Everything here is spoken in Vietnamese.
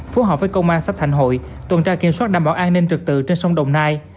phối hợp với công an sắp thành hội tuần tra kiểm soát đảm bảo an ninh trực tự trên sông đồng nai